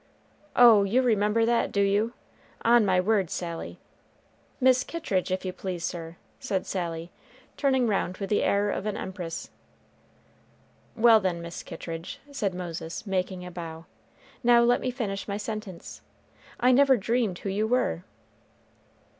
"Oh, you remember that, do you? On my word, Sally" "Miss Kittridge, if you please, sir," said Sally, turning round with the air of an empress. "Well, then, Miss Kittridge," said Moses, making a bow; "now let me finish my sentence. I never dreamed who you were."